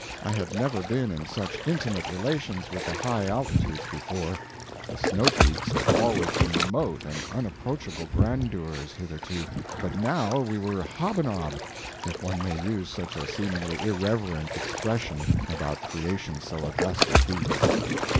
I had never been in such intimate relations with the high altitudes before; the snow peaks had always been remote and unapproachable grandeurs, hitherto, but now we were hob a nob if one may use such a seemingly irreverent expression about creations so august as these.